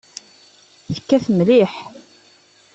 Tekkat mliḥ.